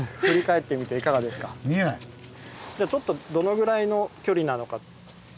じゃちょっとどのぐらいの距離なのか。